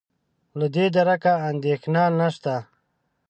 له دې درکه اندېښنه نشته.